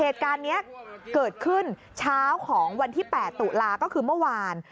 เหตุการณ์นี้เกิดขึ้นเช้าของวันที่๘ตุลาก็คือเมื่อวาน